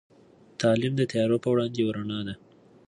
تعلیم د تيارو په وړاندې یوه رڼا ده.